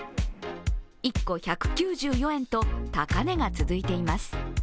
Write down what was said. １個１９４円と高値が続いています。